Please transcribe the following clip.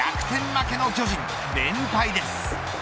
負けの巨人連敗です。